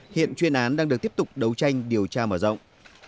hiện chuyên án đang được tiếp tục đấu tranh điều tra mở rộng